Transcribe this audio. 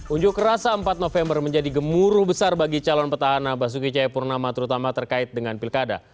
unjuk rasa empat november menjadi gemuruh besar bagi calon petahana basuki cahayapurnama terutama terkait dengan pilkada